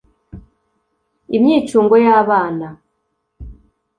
imyicungo y’abana